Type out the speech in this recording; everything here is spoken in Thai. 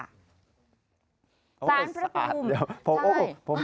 สารพระภูมิ